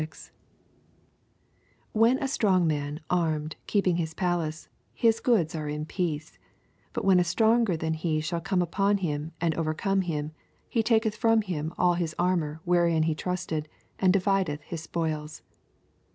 21 WheE a fttroDg man armed keep eth his palace, his goods are in peace : 22 Bat when a stronger than he shdl come upon him and overcome him, he taketn from him all his arm or wherein he trasted, and divideth his spoils.